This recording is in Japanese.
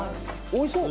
おいしそう。